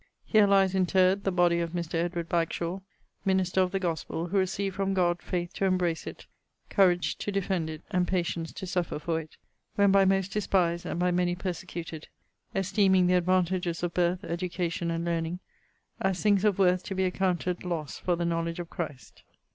'Here lyes interred | the body of | Mr. Edward Bagshaw | minister of the Gospell | who recieved from God | faith to embrace it | courage to defend it | and patience to suffer for it | when by most despised and by many persecuted | esteeming the advantages of birth, education, and learning | as things of worth to be accounted losse for the knowledge | of Christ.